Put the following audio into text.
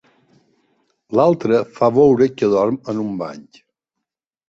L'altre, fa veure que dorm en un banc.